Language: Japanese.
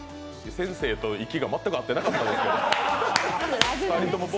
先生と、息が全く合ってなかったですけど。